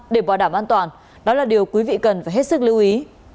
để bảo đảm an toàn đó là điều quý vị cần phải hết sức lưu ý